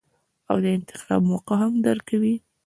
او د انتخاب موقع هم درکوي -